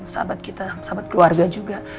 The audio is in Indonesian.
sahabat kita sahabat keluarga juga